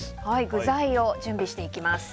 具材を準備していきます。